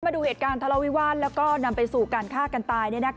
มาดูเหตุการณ์ทะเลาวิวาสแล้วก็นำไปสู่การฆ่ากันตาย